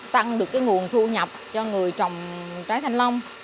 tăng được cái nguồn thu nhập cho người trồng trái thanh long